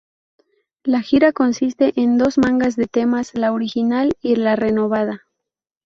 La gira consiste con dos mangas de temas, La original y la renovada.